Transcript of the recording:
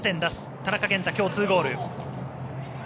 田中健太、今日２ゴール。